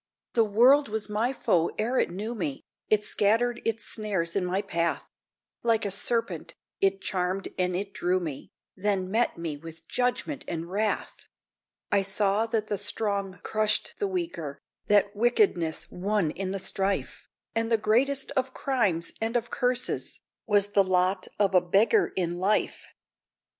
The World was my foe ere it knew me; It scattered its snares in my path: Like a serpent, it charmed and it drew me, Then met me with judgment and wrath! I saw that the strong crushed the weaker, That wickedness won in the strife, And the greatest of crimes and of curses Was the lot of a beggar in life!